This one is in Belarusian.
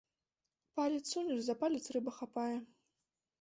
Палец сунеш, за палец рыба хапае!